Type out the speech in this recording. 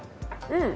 うん！